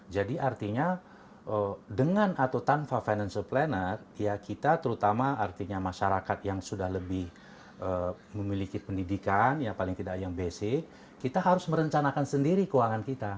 jadi artinya dengan atau tanpa financial planner kita terutama artinya masyarakat yang sudah lebih memiliki pendidikan paling tidak yang basic kita harus merencanakan sendiri keuangan kita